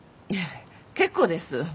いえ結構です。